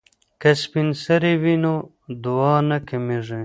که سپین سرې وي نو دعا نه کمیږي.